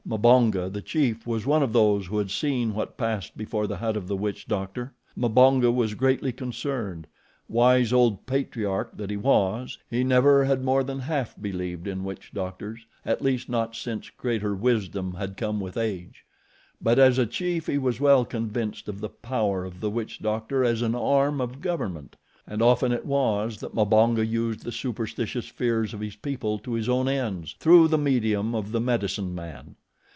Mbonga, the chief, was one of those who had seen what passed before the hut of the witch doctor. Mbonga was greatly concerned. Wise old patriarch that he was, he never had more than half believed in witch doctors, at least not since greater wisdom had come with age; but as a chief he was well convinced of the power of the witch doctor as an arm of government, and often it was that Mbonga used the superstitious fears of his people to his own ends through the medium of the medicine man.